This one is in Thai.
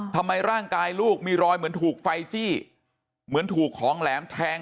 ทำไมร่างกายลูกมีรอยเหมือนถูกไฟจี้เหมือนถูกของแหลมแทง